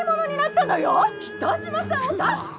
・北島さんを出して！